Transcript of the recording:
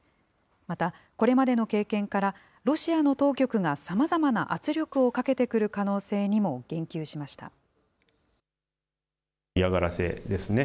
またこれまでの経験から、ロシアの当局がさまざまな圧力をかけてくる可能性にも言及しました。